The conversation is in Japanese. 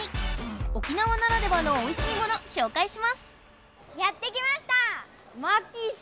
沖縄ならではのおいしいもの紹介します。